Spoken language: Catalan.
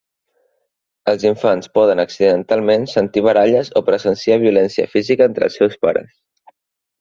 Els infants poden accidentalment sentir baralles o presenciar violència física entre els seus pares.